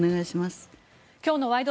今日の「ワイド！